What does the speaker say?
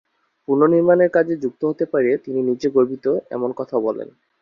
পুনর্নির্মাণের কাজে যুক্ত হতে পেরে তিনি নিজে গর্বিত, এমন কথাও বলেন।